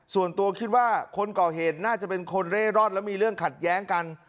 ส่วนตัวคิดว่าคนก่อเหตุน่าจะเป็นคนเร่ร่อนแล้วมีเรื่องขัดแย้งกัน